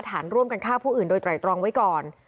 ฐานร่วมกันฆ่าผู้อื่นโดยไตรตรองไว้ก่อน